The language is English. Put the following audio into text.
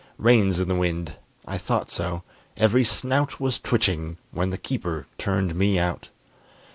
Rain's in the wind. I thought so: every snout Was twitching when the keeper turned me out.